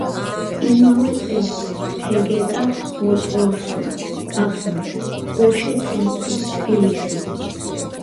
იმავე წელს „თეგეტა მოტორსმა“ გახსნა „პორშე ცენტრი თბილისი“.